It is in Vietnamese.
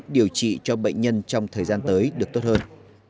điều trị cho bệnh nhân trong thời gian tới được tốt hơn